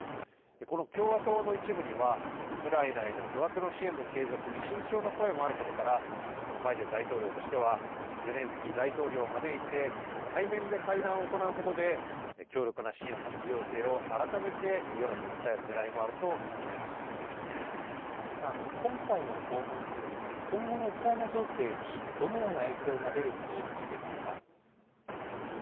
この共和党の一部には、ウクライナへの巨額の支援の継続に慎重な声もあることから、バイデン大統領としては、ゼレンスキー大統領を招いて、対面で会談を行うことで、強力な支援の必要性を改めて世論に訴えるねらいもあると見ら辻さん、今回の訪問で、今後のウクライナ情勢にどのような影響が出ると見ていますか。